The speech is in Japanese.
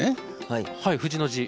はい「藤」の字。